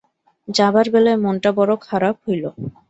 যাবার বেলায় মনটা বড়ো খারাপ হইল।